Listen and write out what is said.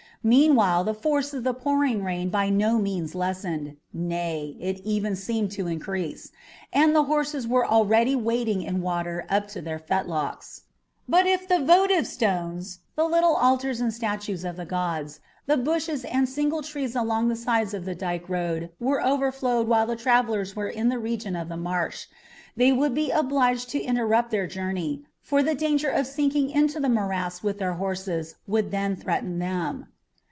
Meanwhile the force of the pouring rain by no means lessened nay, it even seemed to increase and the horses were already wading in water up to their fetlocks. But if the votive stones, the little altars and statues of the gods, the bushes and single trees along the sides of the dike road were overflowed while the travellers were in the region of the marsh, they would be obliged to interrupt their journey, for the danger of sinking into the morass with their horses would then threaten them.